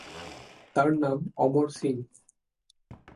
তার নাম অমর সিং।